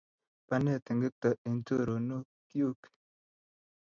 Pane ng'etkong eng choronokuk?